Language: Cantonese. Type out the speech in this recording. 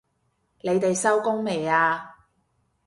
你哋收工未啊？